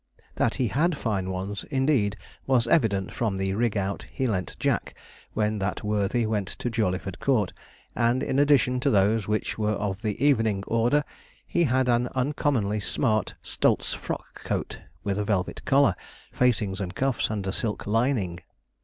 That he had fine ones, indeed, was evident from the rig out he lent Jack when that worthy went to Jawleyford Court, and, in addition to those which were of the evening order, he had an uncommonly smart Stultz frock coat, with a velvet collar, facings, and cuffs, and a silk lining.